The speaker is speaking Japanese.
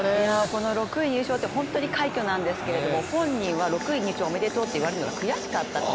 この６位入賞って本当に快挙なんですけれども本人は６位入賞おめでとうって言われるのが悔しかったと。